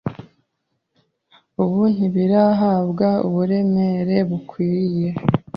Ubu ntibirahabwa uburemere bukwiriye